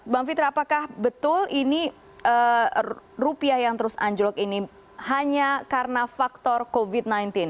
bang fitra apakah betul ini rupiah yang terus anjlok ini hanya karena faktor covid sembilan belas